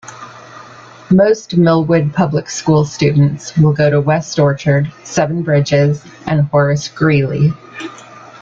Most Millwood public school students will go to Westorchard, Seven Bridges, and Horace Greeley.